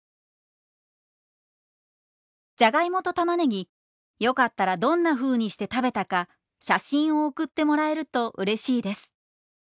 「じゃがいもとたまねぎよかったらどんなふうにして食べたか写真を送ってもらえると嬉しいです！」。